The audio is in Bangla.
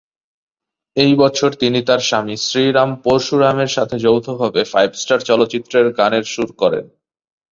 এই বছর তিনি তার স্বামী শ্রীরাম পরশুরামের সাথে যৌথভাবে "ফাইভ স্টার" চলচ্চিত্রের গানের সুর করেন।